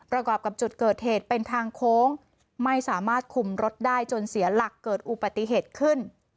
กรอบกับจุดเกิดเหตุเป็นทางโค้งไม่สามารถคุมรถได้จนเสียหลักเกิดอุบัติเหตุขึ้น